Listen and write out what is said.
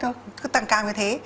nó cứ tăng cao như thế